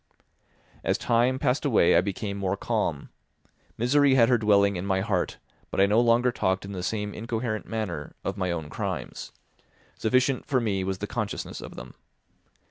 As time passed away I became more calm; misery had her dwelling in my heart, but I no longer talked in the same incoherent manner of my own crimes; sufficient for me was the consciousness of them.